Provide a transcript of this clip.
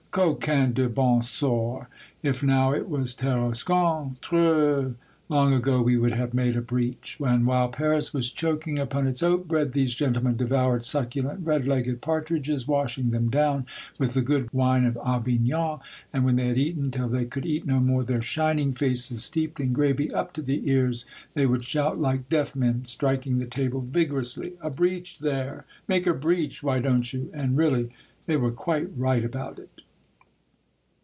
Coquin de bon sort ! If now it was Tarascon ! Trrr ! Long ago we would have made a breach !" and while Paris was choking upon its oat bread, these gentlemen devoured succulent red legged partridges, washing them down with the good wine of Avignon, and when they had eaten till they could eat no more, their shining faces steeped in gravy up to the ears, they would shout like deaf men, striking the table vigorously, " A breach there! Make a breach, why don't you?" And really, they were quite right about it